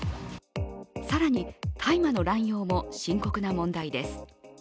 更に、大麻の乱用も深刻な問題です。